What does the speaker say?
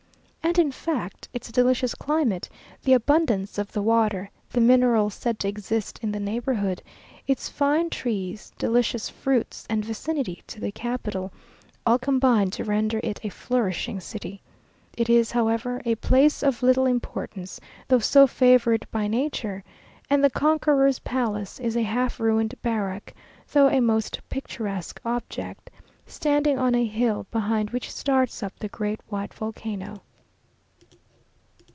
And in fact, its delicious climate, the abundance of the water, the minerals said to exist in the neighbourhood, its fine trees, delicious fruits, and vicinity to the capital, all combined to render it a flourishing city. It is, however, a place of little importance, though so favoured by nature; and the conqueror's palace is a half ruined barrack, though a most picturesque object, standing on a hill, behind which starts up the great white volcano.